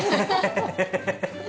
ハハハハハ。